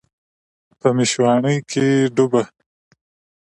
په میشواڼۍ کې ډوبه